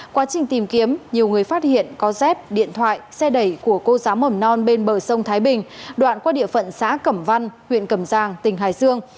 quá trình tìm kiếm nhiều người phát hiện có dép điện thoại xe đẩy của cô giáo mầm non bên bờ sông thái bình đoạn qua địa phận xã cẩm văn huyện cẩm giang tỉnh hải dương